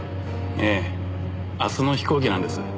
ええ明日の飛行機なんです。